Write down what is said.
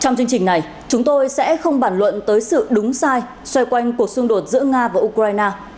trong chương trình này chúng tôi sẽ không bàn luận tới sự đúng sai xoay quanh cuộc xung đột giữa nga và ukraine